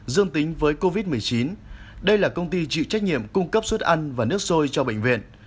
dương tính với covid một mươi chín đây là công ty chịu trách nhiệm cung cấp suất ăn và nước sôi cho bệnh viện